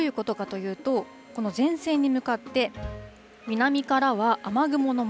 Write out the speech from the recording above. どういうことかというと、この前線に向かって、南からは雨雲のも